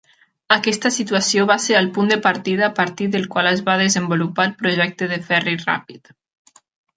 Aquesta situació va ser el punt de partida a partir del qual es va desenvolupar el projecte de ferri ràpid.